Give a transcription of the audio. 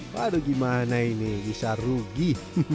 waduh gimana ini bisa rugi